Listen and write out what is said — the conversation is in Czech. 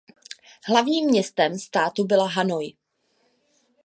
Hlavním městem státu byla Hanoj.